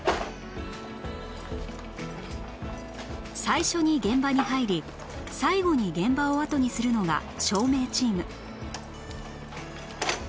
最初に現場に入り最後に現場を後にするのが照明チーム